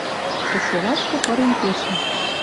Тӹ солашкы пырен кешӹм